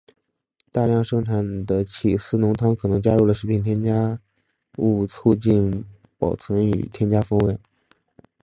大量生产的起司浓汤可能加入了食品添加物促进保存与增添风味。